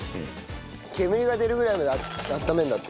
煙が出るぐらいまで温めるんだって。